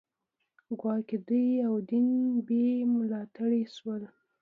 ګواکې دوی او دین بې ملاتړي شول